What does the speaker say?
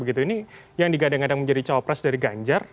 ini yang digadang gadang menjadi cowok pres dari ganjar